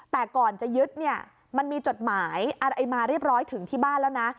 แต่ก่อนจะยึดเนี่ยมันมีจดหมายอะไรมาเรียบร้อยถึงที่บ้านแล้วนะ